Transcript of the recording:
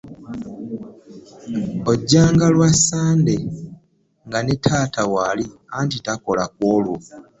Ojjanga lwa ssande nga ne taata waali anti takola kwolwo.